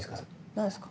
何ですか？